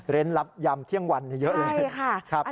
เรนรับยำเที่ยงวันเยอะ